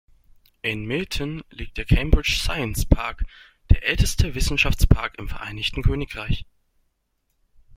In Milton liegt der Cambridge Science Park, der älteste Wissenschaftspark im Vereinigten Königreich.